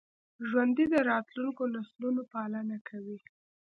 ژوندي د راتلونکو نسلونو پالنه کوي